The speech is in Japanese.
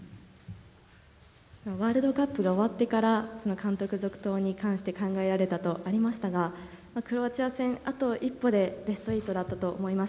ワールドカップが終わってから、監督続投に関して考えられたとありましたが、クロアチア戦、あと一歩でベスト８だったと思います。